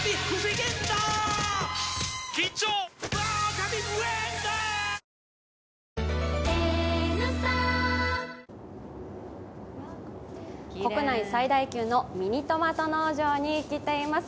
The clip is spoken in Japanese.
かくもんいくもん国内最大級のミニトマト農場に来ています。